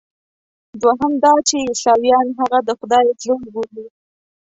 دوهم دا چې عیسویان هغه د خدای زوی بولي.